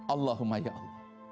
allahumma ya allah